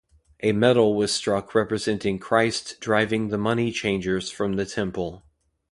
A medal was struck representing Christ driving the money changers from the Temple.